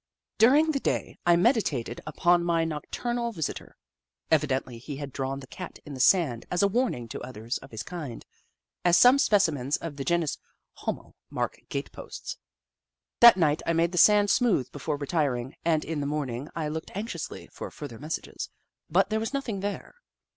During the day, I meditated upon my noc turnal visitor. Evidently he had drawn the Cat in the sand as a warning to others of his kind, as some specimens of the genus ho7iio mark gate posts. That night I made the sand smooth before retiring, and in the morning I looked anxiously for further messages, but there was nothing there.